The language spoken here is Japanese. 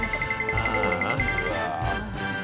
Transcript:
ああ。